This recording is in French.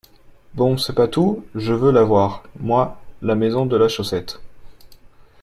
Bon, c’est pas tout, je veux la voir, moi, la maison de la chaussette !